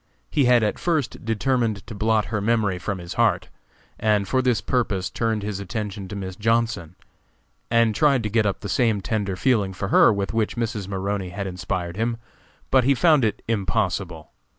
He had at first determined to blot her memory from his heart, and for this purpose turned his attention to Miss Johnson, and tried to get up the same tender feeling for her with which Mrs. Maroney had inspired him, but he found it impossible.